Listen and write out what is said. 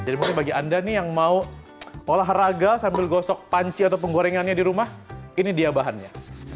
jadi mungkin bagi anda nih yang mau olahraga sambil gosok panci atau penggorengannya di rumah ini dia bahannya